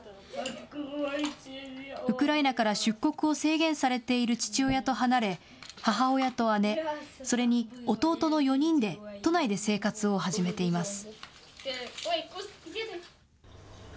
ウクライナから出国を制限されている父親と離れ母親と姉、それに弟の４人で都内で生活を始めています。